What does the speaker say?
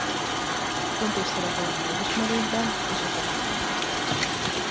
Fontos szerepe van a megismerésben és a tanulásban.